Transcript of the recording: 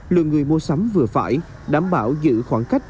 lượng người mua sắm vừa phải đảm bảo giữ khoảng cách